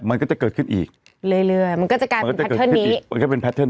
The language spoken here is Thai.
มันก็จะเกิดขึ้นอีกเรื่อยเรื่อยมันก็จะกลายเป็นมันก็จะเป็น